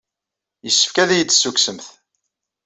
Yessefk ad iyi-d-tessukksemt.